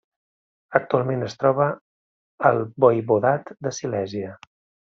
Actualment es troba al Voivodat de Silèsia.